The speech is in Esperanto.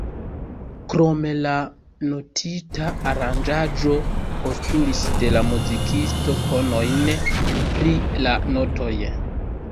Krome la notita aranĝaĵo postulis de la muzikisto konojn pri la notoj.